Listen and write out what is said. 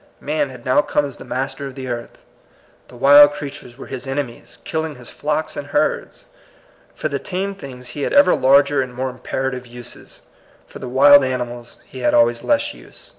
Man had now come as the master of the earth. The wild creatures were his ene mies, killing his flocks and herds. For the tame things he had ever larger and more imperative uses. For the wild ani mals he had always less use.